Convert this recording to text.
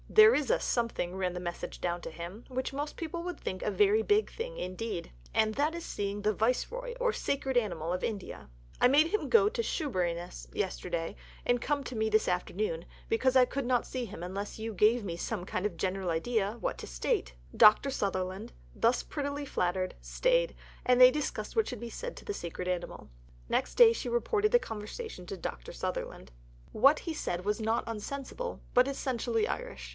"There is a 'something,'" ran the message sent down to him, "which most people would think a very big thing indeed. And that is seeing the Viceroy or Sacred Animal of India. I made him go to Shoeburyness yesterday and come to me this afternoon, because I could not see him unless you give me some kind of general idea what to state." Dr. Sutherland, thus prettily flattered, stayed, and they discussed what should be said to the Sacred Animal. Next day she reported the conversation to Dr. Sutherland: What he said was not unsensible but essentially Irish.